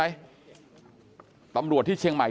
กลุ่มตัวเชียงใหม่